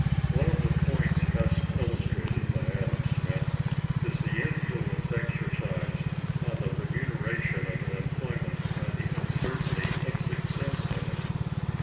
One of the points best illustrated by Adam Smith is the influence exercised on the remuneration of an employment by the uncertainty of success in it.